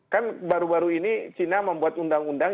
kan baru baru ini china membuat undang undang